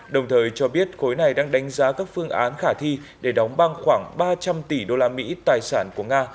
đồng thời cho biết khối này đang đánh giá các phương án khả thi để đóng băng khoảng ba trăm linh tỷ usd tài sản của nga